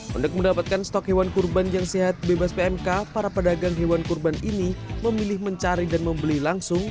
untuk mendapatkan stok hewan kurban yang sehat bebas pmk para pedagang hewan kurban ini memilih mencari dan membeli langsung